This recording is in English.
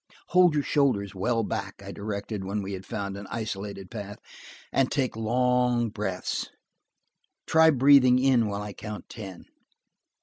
"Hold your shoulders well back," I directed, when we had found an isolated path, "and take long breaths. Try breathing in while I count ten."